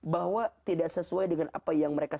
bahwa tidak sesuai dengan apa yang mereka